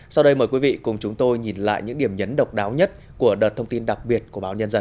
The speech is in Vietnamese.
sau đây mời quý vị cùng chúng tôi nhìn lại những điểm nhấn độc đáo nhất của đợt thông tin đặc biệt của báo nhân dân